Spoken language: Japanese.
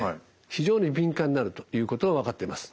非常に敏感になるということが分かってます。